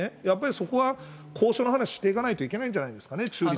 やっぱりそこは交渉の話をしていかないといけないんじゃないです